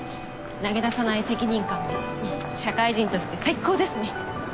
投げ出さない責任感ふふっ社会人として最高ですね。